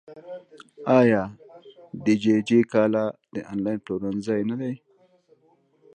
آیا دیجیجی کالا د انلاین پلورنځی نه دی؟